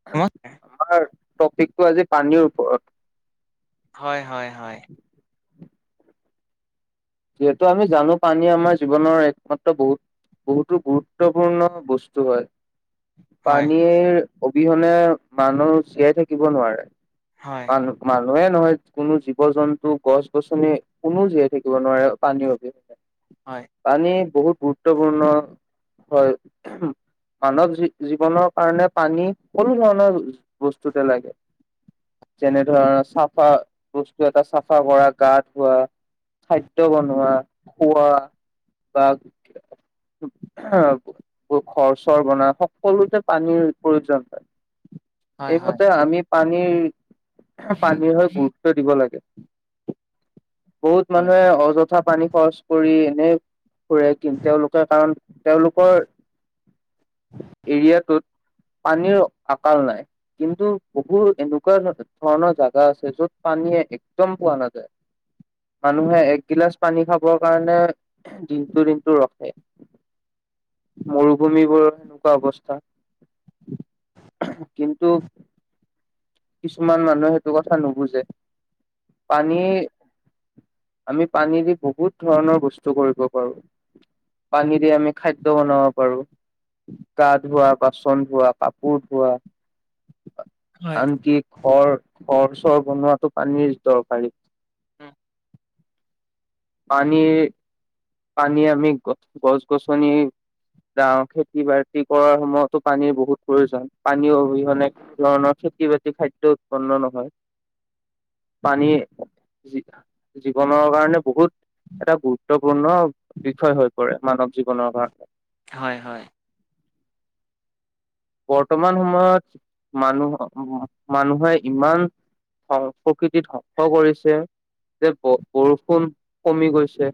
হয় আমাৰ টপিকটো আজি পানীৰ ওপৰত। হয় হয় হয়। যিহেতু আমি জানো পানী আমাৰ জীৱনৰ একমাত্ৰ বহুত বহুতো গুৰুত্বপূৰ্ণ বস্তু হয়। হয় পানীৰ অবিহনে মানুহ জীয়াই থাকিব নোৱাৰে। হয় মান মানুহে নহয় কোনো জীৱ জন্তু, গছ গছনি কোনো জীয়াই থাকি ব নোৱাৰে পানি অবিহনে, হয় পানী বহুত গুৰুত্বপূৰ্ণ হয়। মানৱ জী -জীৱনৰ কাৰণে পানী সকলো ধৰণৰ বস্তুতে লাগে। যেনে ধৰণৰ চাফা বস্তু এটা চাফা কৰা, গা ধোৱা খাদ্য বনোৱা, খোৱা বা আহ বোৰ ঘৰ চৰ বনা সকলোতে পানীৰ প্ৰয়োজন পায়। হয় এইমতে হয় আমি পানীৰ পানীৰ হৈ গুৰুত্ব দিব লাগে। বহুত মানুহে অযথা পানী খৰচ কৰি এনে ফুৰে কিম তেওঁলোকে কাৰণ তেওঁলোকৰ এৰিয়াটোত। পানীৰ আকাল নাই কিন্তু বহুত এনেকুৱা ধৰণৰ জাগা আছে য'ত পানীয়ে একদম পোৱা নাযায়। মানুহে এক গিলাচ পানী খাবৰ কাৰণে দিনটো দিনটো ৰখে। মৰুভূমিবোৰৰ এনেকুৱা অৱস্থা। কিন্তু কিছুমান মানুহে সেইটো কথা নুবুজে, পানীৰ আমি পানী দি বহুত ধৰণৰ বস্তু কৰিব পাৰো। পানী দি আমি খাদ্য বনাব পাৰো। গা ধোৱা, বাচন ধোৱা, কাপোৰ ধোৱা হয় আনকি ঘৰ ঘৰ চৰ বনোৱাটো পানীৰ দৰকাৰী। উম পানীৰ পানী আমি গ গছ গছনি যাওঁ, খেতি বাতি কৰাৰ সময়তো পানীৰ বহুত প্ৰয়োজন, পানী অবিহনে ধৰণৰ খেতি বাতি খাদ্য উৎপন্ন নহয়, পানি জীৱনৰ কাৰণে বহুত এটা গুৰুত্বপূৰ্ণ বিষয় হৈ পৰে মানৱ জীৱনৰ কাৰণে। হয় হয়। বৰ্তমান সময়ত মানুহ মানুহে ইমান সং প্ৰকৃতিত ধংস কৰিছে। যে বৰষুণ কমি গৈছে।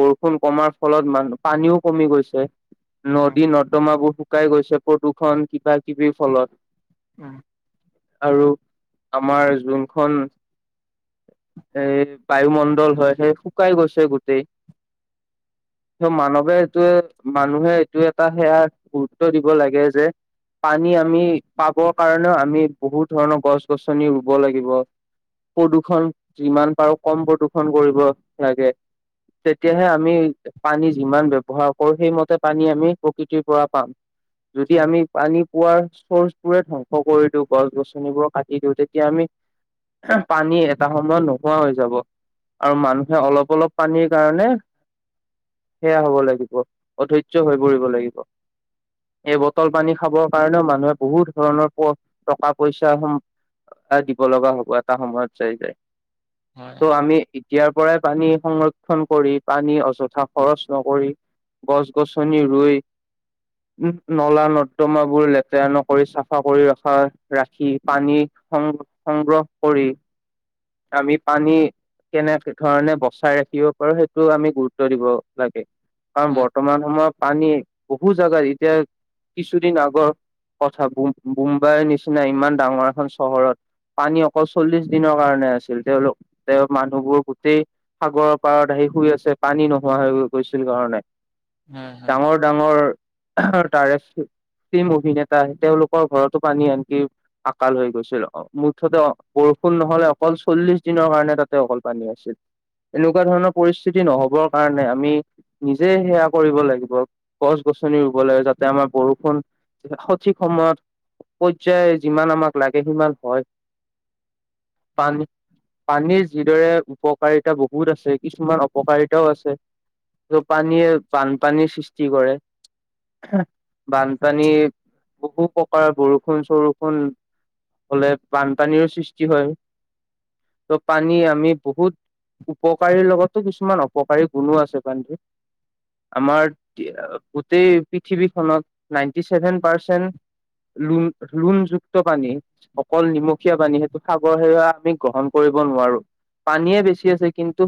বৰষুণ কমাৰ ফলত মান পানীও কমি গৈছে। উম নদী নৰ্দমাবোৰ শুকাই গৈছে, প্ৰদূষণ কিবা কিবিৰ ফলত। উম। আৰু আমাৰ যোনখন এ বায়ুমণ্ডল হয় সেই শুকাই গৈছে গোটেই। মানৱে এইটো মানুহে এইটো এটা সেয়া গুৰুত্ব দিব লাগে যে পানী আমি পাবৰ কাৰণেও আমি বহুত ধৰণৰ গছ গছনি ৰুব লাগিব। প্ৰদূৰ্ষন যিমান পাৰো কম প্ৰদূৰ্ষন কৰিব লাগে। উম তেতিয়াহে আমি পানী যিমান ব্যৱহাৰ কৰো সেইমতে পানী আমি প্ৰকৃতিৰ পৰা পাম। যদি উম, আমি পানী পোৱাৰ চৰ্চ টোৰে ধ্বংস কৰি দিওঁ, গছ গছনিবোৰ কাটি দিওঁ, তেতিয়া আমি পানী এটা সময়ত নোহোৱা হৈ যাব। আৰু মানুহে অলপ অলপ পানীৰ কাৰণে সেয়া হব লাগিব অধৈৰ্য হৈ পৰিব লাগিব। এই বটল পানী খাবৰ কাৰণেও মানুহে বহুত ধৰণৰ টকা পইচা দিব লগা হ'ব এটা সময়ত চাই যায় হয় ত' হয় আমি এতিয়াৰ পৰাই পানী সংৰক্ষ ক্ষণ কৰি পানী অযথা খৰচ নকৰি গছ গছনি ৰুই নলা নৰ্দমাবোৰ লেতেৰা নকৰি চাফা কৰি ৰখা ৰাখি পানী সংগ্ৰহ কৰি আমি পানী কেনে ধৰণে বচাই ৰাখিব পাৰো সেইটো আমি গুৰুত্ব দিব লাগে কাৰণ হয় বৰ্তমান সময়ত পানী বহু জোগাত এতিয়া কিছুদিন আগৰ কথা মুম্বাইৰ নিচিনা ইমান ডাঙৰ এখন চহৰত পানী অকল চল্লিশ দিনৰ কাৰণে আছিল তেওঁলোক তেওঁৰ মানুহবোৰ গোটেই সাগৰৰ পাৰত আহি শুই আছে পানী নোহোৱা হৈ গৈছিল কাৰণে হম হুম ডাঙৰ তাৰে কিম অভিনেতা আহ তেওঁলোকৰ ঘৰতো পানী আনকি আকাল হৈ গৈছিল মুঠতে পৰুষ সোণ নহ'লে অকল চল্লিশ দিনৰ কাৰণে তাতে অকল পানী আছিল এনেকুৱা ধৰণৰ পৰিস্থিতি নহবৰ কাৰণে আমি নিজে সেয়া কৰিব লাগিব গছ গছনি ৰুব লাগে যাতে আমাৰ বৰষুণ সঠিক সময়ত পৰ্যায় যিমান আমাক লাগে সিমান হয় উম পানী পানীৰ যিদৰে উপকাৰী বহুত আছে কিছুমান অপকাৰিতাও আছে ত পানীয়ে বানপানীৰ কি কৰে বানপানী বহু প্ৰকাৰৰ বৰষুণ চৰষুণ হলে বানপানীৰো সৃষ্টি হয় ত' পানী আমি বহুত উপকাৰীৰ লগতো কিছুমান অপকাৰী গুণো আছে বানী আমাৰ গোটেই পৃথিৱীখনত নাইনটি চছেভেন পাৰ্চেন্ট লণ লোনযুক্ত পানী অকল নিমখীয়া পানী সেইটো সাগৰ সেৰুৱা আমি গ্ৰহণ কৰি নোৱাৰো পানীয়ে বেছি আছে কিন্তু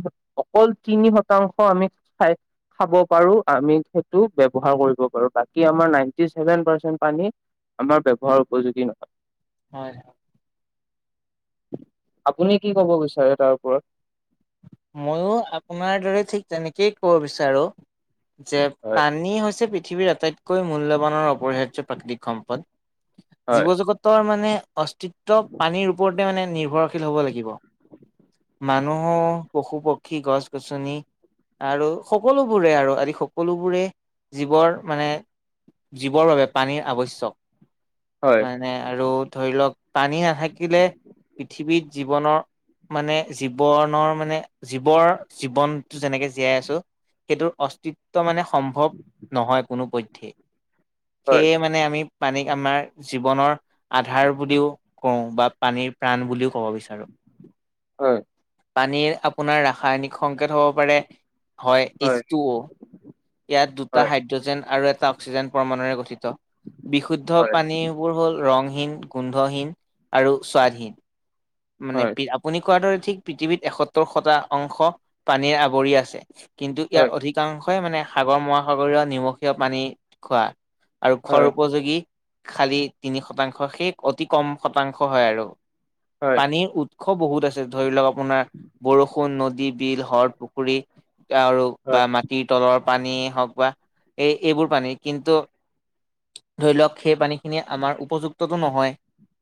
অকল তিনি শতাংশ আমিাই খাব পাৰো আমি সেইটো ব্যৱহাৰ কৰিব পাৰো বাকী আমাৰ নাইনটি চছেভেন পাৰ্চেন্ট পানী আমাৰ ব্যৱহাৰ উপযোগী নহয় হয় হয় আপুনি কি ক'ব বিচাৰে তাৰ ওপৰত ময়ো আপোনাৰ দৰে ঠিক তেনেকেই ক'ব বিচাৰোঁ যে হয় পানী হৈছে পৃথিৱীৰ আটাইতকৈ মূল্যবানৰ অপৰিহাৰ্য প্ৰাকৃতিক সম্পদ হয় জীৱ জগতৰ মানে অস্তিত্ব পানীৰ ওপৰতে মানে নিৰ্ভৰশীল হ'ব লাগিব মানুহো পশু পক্ষী গছ গছনি আৰু সকলোবোৰে আৰু আদি সকলোবোৰে জীৱৰ মানে জীৱৰ বাবে পানীৰ আৱশ্যক হয় মানে আৰু ধৰি লওক পানী নাথাকিলে পৃথিৱীত জীৱনৰ মানে জীৱনৰ মানে জীৱৰ জীৱনতটো যেনেকে জীয়াই আছো সেইটোৰ অস্তিত্ব মানে সম্ভৱ নহয় কোনোপধ্যেই হয় সেয়ে মানে আমি পানীক আমাৰ জীৱনৰ আধাৰ বুলিও কওঁ বা পানীৰ প্ৰাণ বুলিও ক'ব বিচাৰোঁ হয় পানীৰ আপোনাৰ ৰাসায়নিক সংকেত হ'ব পাৰে হয় এইচ টু অ' ইয়াত দুটা হয় হাইড্ৰজেন আৰু এটা অক্সিজেন প্ৰমাণুৰে গঠিত বিশুদ্ধ হয় পানীবোৰ হল ৰংহীন গোন্ধহীন আৰু স্বাধীন মানে হয় আপুনি কোৱাৰ দৰে ঠিক পৃথিৱীত এসত্তৰ শতা অংশ পানীৰ আৱৰি আছে কিন্তু ইয়াৰ হয় অধিকাংশ মানে সাগৰ মহাসাগৰীয় নিমখীয়া পানী খোৱা আৰু খৰ হয় উপযোগী খালী তিনি শতাংশ শে অতি কম শতাংশ হয় আৰু। হয় হয় পানীৰ উৎস বহুত আছে। ধৰি লওক আপোনাৰ বৰষুণ নদী বিল হৰ পুখুৰী আৰু বা হয় মাটিৰ তলৰ। পানীয়ে হওক বা এই এইবোৰ পানী কিন্তু। ধৰি লওক সেই পানীখিনি আমাৰ উপযুক্ততটো নহয়।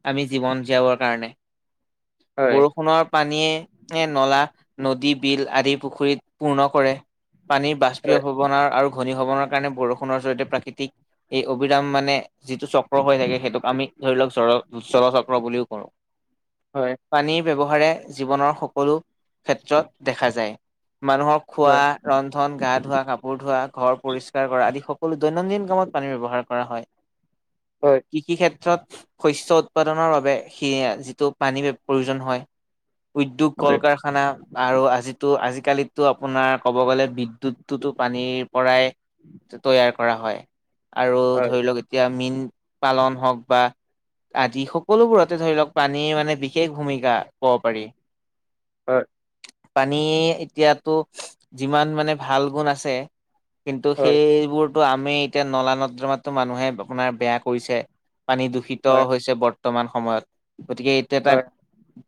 আমি জীৱন জীয়াবৰ কাৰণে। হয় হয় বৰষুণৰ পানীয়ে নলা, নদী, বিল আদি পুখুৰীত পূৰ্ণ কৰে। পানী বাষ্প ভৱনাৰ আৰু ঘনী ভৱনৰ কাৰণে বৰষুণৰ চৰিতে প্ৰাকৃতিক এই অভিৰাম মানে যিটো চক্ৰ হৈ থাকে সেইটোক আমি ধৰি উ্বৰচক্ৰ বুলিও কওঁ। হয় পানীৰ ব্যৱহাৰে জীৱনৰ সকলো ক্ষেত্ৰত দেখা যায়। মানুহক হয় খোৱা ৰন্ধন গা-ধোৱা, কাপোৰ ধোৱা, ঘৰ পৰিসকাৰ কৰা আদি সকলো দৈনন্দিন কামত প পানী ব্যৱহাৰ কৰা হয়। হয় হয় হয় হয় কৃষি ক্ষেত্ৰত শস্য উৎপাদনৰ বাবে স যিটো পানী প্ৰয়োজন হয়। উদ্যোগ কল কাৰখানা আৰু আজি টো আজি আজিকালি তো আপোনাৰ ক'ব গ'লে বিদুৎটোতো পানীৰ পৰাই তৈয়াৰ কৰা হয়। আৰু ধৰি লওক এতিয়া মীন পালন হওক বা আদি সকলোবোৰতে ধৰি লওক পানী মানে বিশেষ ভূমিকা পাব পাৰি। হয়। পানী এতিয়াতো যিমান মানে ভাল গুণ আছে কিন্তু সেইবোৰতো আমি এতিয়া নলা নৰ্দমাত মানুহে আপোনাৰ বেয়া কৰিছে। পানী দূষিত হৈছে বৰ্তমান সময়ত। গতিকে এইটো এটা হয়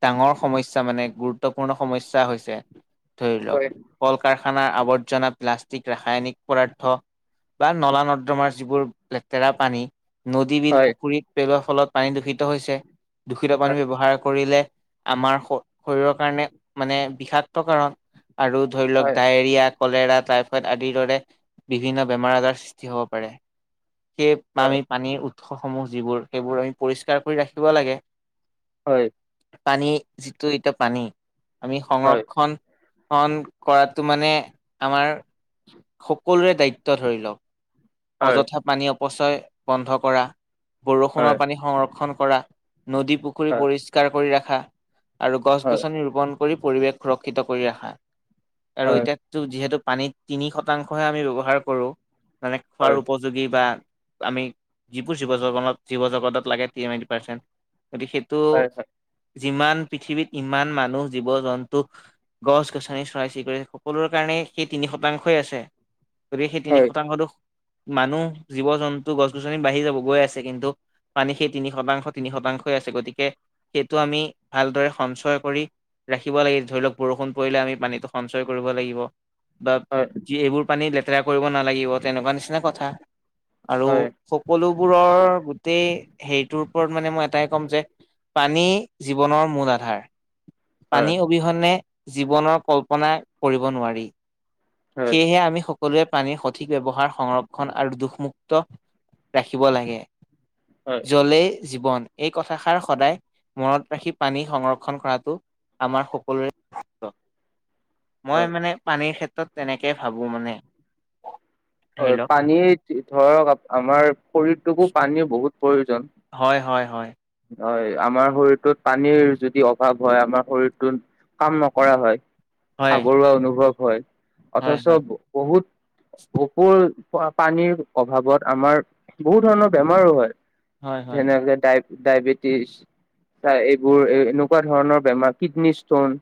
ডাঙৰ সমস্যা মানে গুৰুত্বপূৰ্ণ সমস্যা হৈছে। ধৰি লওক হয় কল-কাৰ খানাৰ আৱৰ্জনা প্লাষ্টিক ৰাসায়নিক পদাৰ্থ। বা নলা নৰ্দমাৰ যিবোৰ লেতেৰা পানী। নদী বিল হয় পুখুৰীত পেলোৱাৰ ফলত পানী দূষিত হৈছে। দূষিত পানী হয় ব্যৱহাৰ কৰিলে। আমাৰ শ শৰীৰৰ কাৰণে মানে বিষাক্ত কাৰণ। আৰু ধৰি লওক হয় ডায়েৰিয়। কলেৰা টাইফইড আদিৰ দৰে বিভিন্ন বেমাৰ আজাৰ সৃষ্টি হ'ব পাৰে। সেই বা হয় আমি পানীৰ উৎসসমূহ যিবোৰ সেইবোৰ আমি পৰিষ্কাৰ কৰি ৰাখিব লাগে। হয়। পানী যিটো এতিয়া পানী আমি হয় সংৰক্ষণ। ন কৰাতো মানে আমাৰ সকলোৰে দায়িত্ব ধৰি লওক। হয় অযথা পানী অপচয় বন্ধ কৰা বৰষুণৰ হয় পানী সংৰক্ষণ। কৰা নদী পুখুৰী হয় পৰিষ্কাৰ কৰি ৰাখা। আৰু হয় গছ-গছনি ৰোপন কৰি পৰিৱেশ সুৰক্ষিত কৰি ৰাখা। আৰু হয় এতিয়া তো যিহেতু পানীত তিনি শতাংশহে আমি ব্যৱহাৰ কৰোঁ। মানে খোৱাৰ হয় উপযোগী বা। আমি যিবোৰ জীৱ জগ জীৱ জগতত লাগে ছেভেন টি পাৰ্চেণ্ট। গতিকে সেইটো হয় হয় যিমান পৃথিৱীত ইমান মানুহ জীৱ জন্তু। গছ-গছনি চৰাই চিৰিকটি সকলোৰে কাৰণে সেই তিনি শতাংশ। দু আছে। গতিকে সেই তিনি হয় শতাংশ তো। মানুহ জীৱ-জন্তু গছ গছনি বাঢ়ি যাব গৈ আছে। কিন্তু, পানী সেই তিনি শতাংশ তিনি শতাংশই আছে। গতিকে সেইটো আমি ভালদৰে সঞ্চয় কৰি। ৰাখিব লাগে। ধৰি লওক বৰষুণ পৰিলে আমি পানীটো সঞ্চয় কৰিব লাগিব বা। হয় এইবোৰ পানীত লেতেৰা কৰিব নালাগিব তেনেকুৱা নিচিনা কথা। আৰু হয় সকলোবোৰৰ গোটেই। সেইটোৰ ওপৰত মানে মই এটাই ক'ম যে পানী জীৱনৰ মূল আধাৰ। পানী অবিহনে জীৱনৰ কল্পনা কৰিব নোৱাৰি। হয় হয় সেয়েহে আমি। সকলোৱে পানীৰ সঠিক ব্যৱহাৰ সংৰক্ষণ আৰু দুষমুক্ত ৰাখিব লাগে। হয় জ্বলে। জীৱন এই কথাষাৰ সদায় মনত ৰাখি পানী সংৰক্ষণ কৰাটো। আমাৰ সকলোৰে। মই মানে পানীৰ ক্ষেত্ৰত তেনেকৈ ভাবোঁ মানে। ধৰি হয় লওক পানী ধৰক আমাৰ শৰীৰটোকো পানী বহুত। প্ৰয়োজন হয় হয় হয়। হয় আমাৰ শৰীৰটোত পানীৰ যদি অভাৱ হয় আমাৰ শৰীৰটোত কাম নকৰা হয়। হয় ভাগৰুৱা অনুভৱ হয় হয় হয় অথচ বহুত। পানীৰ অভাৱত আমাৰ বহুত ধৰণৰ বেমাৰো হয়। হয় হয় যেনেকে দায়। ডায়েবেটিছ এইবোৰ এনেকুৱা ধৰণৰ বেমাৰ কিডনী ষ্টোন।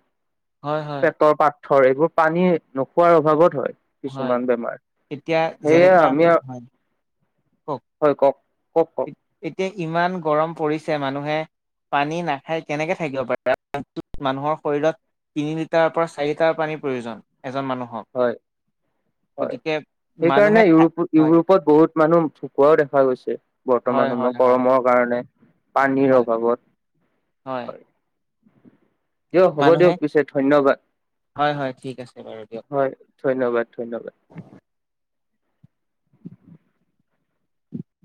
হয় হয় পেটৰ পাথৰ এইবোৰ পানী নোখোৱাৰ অভাৱত হয় হয় কিছুমান বেমাৰ। এতিয়া সেয়ে যেনেকুৱা আমি হয়। কওক হয় কওক কওক কওক এতিয়া ইমান গৰম পৰিছে মানুহে। পানী নাখাই কেনেকে থাকিব পাৰে মানুহৰ শৰীৰত তিনি লিটাৰৰ পৰা চাৰি লিটাৰ পানী। প্ৰয়োজন। এজন মানুহক হয় হয় গতিকে মানুহে সেইকাৰণে খাই হয়, ইউৰোপত বহুত। মানুহ ঢুকুৱাও দেখা গৈছে। হয়, বৰ্তমান হয়, সময়ত হয়, গৰমৰ কাৰণে পানীৰ হয়, অভাৱত হয়। দিয়ক হ'ব মানুহে দিয়ক পিছে ধন্যবাদ। হয়, হয় ঠিক আছে বাৰু দিয়ক। হয় ধন্যবাদ ধন্যবাদ।